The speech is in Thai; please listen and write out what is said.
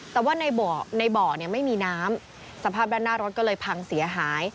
แต่ว่าในบ่อเนี่ยไม่มีน้ำสภาพด้านหน้ารถก็เลยพังเสียหาย